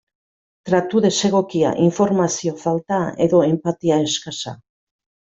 Tratu desegokia, informazio falta edo enpatia eskasa.